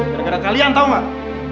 gara gara kalian tau gak